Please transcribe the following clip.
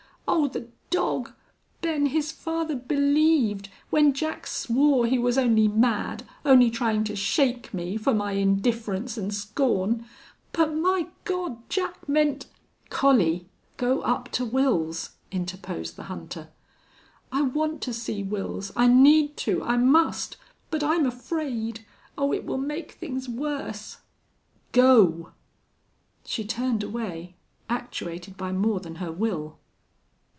Oh, the dog!... Ben, his father believed when Jack swore he was only mad only trying to shake me for my indifference and scorn.... But, my God! Jack meant...." "Collie, go up to Wils," interposed the hunter. "I want to see Wils. I need to I must. But I'm afraid.... Oh, it will make things worse!" "Go!" She turned away, actuated by more than her will.